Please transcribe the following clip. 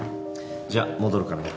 じゃあ戻るからな。